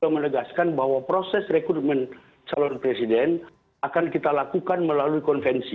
menegaskan bahwa proses rekrutmen calon presiden akan kita lakukan melalui konvensi